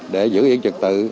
để giữ yên trực tự